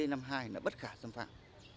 nó bất khả xâm phạm